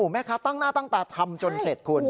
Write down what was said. แม่ค้าตั้งหน้าตั้งตาทำจนเสร็จคุณ